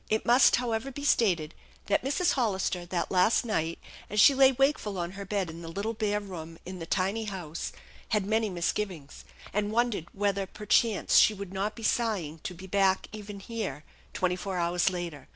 It must, however, be stated that Mrs. Hollister, that last night, as she lay wakeful on her bed in the little bare room in the tiny house, had many misgivings, and wondered whether per chance she would not be sighing to be back even here twenty four hours later.